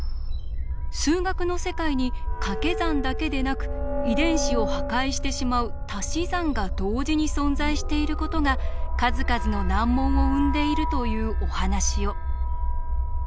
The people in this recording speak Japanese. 数学の世界にかけ算だけでなく遺伝子を破壊してしまうたし算が同時に存在していることが数々の難問を生んでいるというお話を。